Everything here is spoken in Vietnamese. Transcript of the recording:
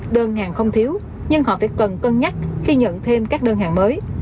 đơn hàng không thiếu nhưng họ phải cần cân nhắc khi nhận thêm các đơn hàng mới